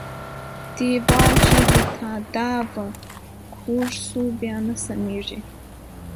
ديوال چې د تاداوه کوږ سو ، بيا نه سمېږي.